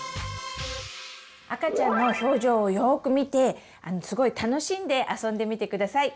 赤ちゃんの表情をよく見てすごい楽しんで遊んでみてください。